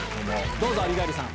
どうぞアビガイルさん。